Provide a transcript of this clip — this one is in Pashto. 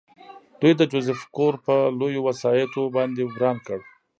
دوی د جوزف کور په لویو وسایطو باندې وران کړ